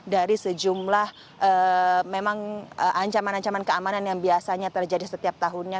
dari sejumlah memang ancaman ancaman keamanan yang biasanya terjadi setiap tahunnya